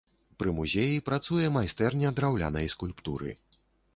Пры музеі працуе майстэрня драўлянай скульптуры.